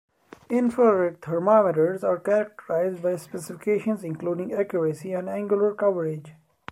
Infrared thermometers are characterised by specifications including accuracy and angular coverage.